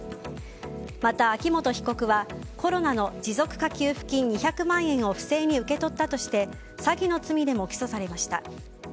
また、秋本被告はコロナの持続化給付金２００万円を不正に受け取ったとして詐欺の罪でも起訴されました。